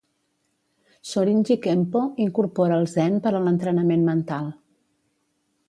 Shorinji Kempo incorpora el zen per a l'entrenament mental.